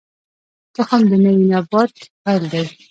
تخم د نوي نبات پیل دی